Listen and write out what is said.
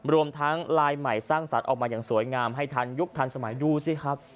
รวมทั้งลายใหม่สร้างสรรค์ออกมาอย่างสวยงามให้ทันยุคทันสมัยดูสิครับ